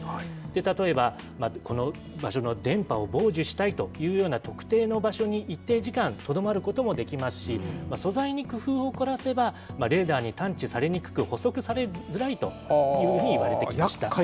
例えば、この場所の電波を傍受したいという特定の場所に、一定時間とどまることもできますし、素材に工夫を凝らせば、レーダーに探知されにくく、捕捉されづらいというふうにいわれてきました。